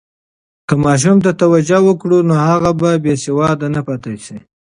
که ماشوم ته توجه وکړو، نو هغه به بې سواده نه پاتې شي.